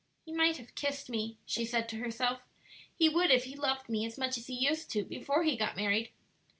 "He might have kissed me," she said to herself; "he would if he loved me as much as he used to before he got married."